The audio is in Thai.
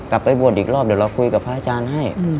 กลับไปบวชอีกรอบเดี๋ยวเราคุยกับพระอาจารย์ให้